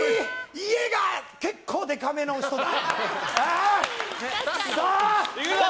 家が結構でかめの人だ。